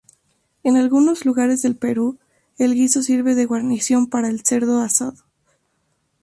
En algunos lugares del Perú, el guiso sirve de guarnición para el cerdo asado.